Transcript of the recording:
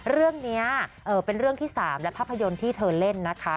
เรื่องนี้เป็นเรื่องที่๓และภาพยนตร์ที่เธอเล่นนะคะ